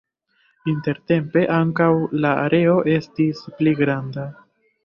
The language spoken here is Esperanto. Intertempe ankaŭ la areo estis pli granda.